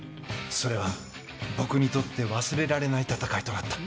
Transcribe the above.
それは僕にとって忘れられない戦いとなった。